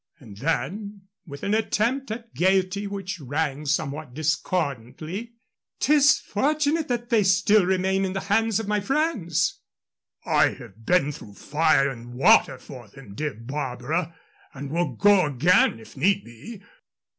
And then, with an attempt at gayety which rang somewhat discordantly, "'Tis fortunate that they still remain in the hands of my friends." "I have been through fire and water for them, dear Barbara, and will go again if need be.